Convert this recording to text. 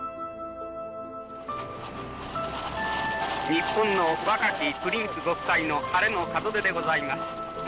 日本の若きプリンスご夫妻の晴れの門出でございます。